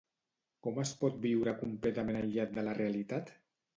Com es pot viure completament aïllat de la realiat?